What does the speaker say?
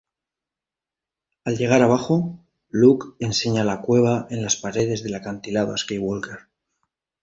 Al llegar abajo, Locke enseña una cueva en las paredes del acantilado a Sawyer.